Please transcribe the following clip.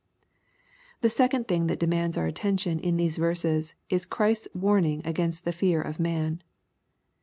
The second thing that demands our attention in these verses is Christ's warning against the fear of man.